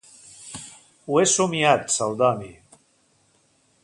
Ho he somiat, Celdoni.